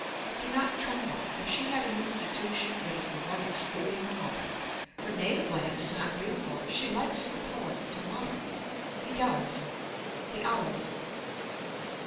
Do not tremble. If she had an institution it is the one excluding her mother. Her native land is not beautiful. She likes the poet to mutter. He does. The olive.